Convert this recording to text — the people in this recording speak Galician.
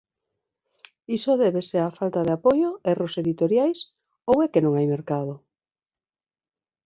Iso débese á falta de apoio, erros editoriais ou é que non hai mercado?